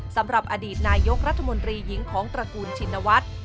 สำหรับอดีตนายกรัฐมนตรีหญิงของตระกูลชินวัฒน์